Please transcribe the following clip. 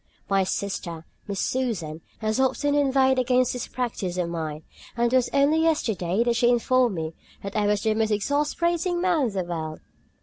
My sister, Miss Susan, has often inveighed against this practice of mine, and it was only yesterday that she informed me that I was the most exasperating man in the world.